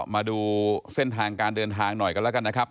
มาดูเส้นทางการเดินทางหน่อยกันแล้วกันนะครับ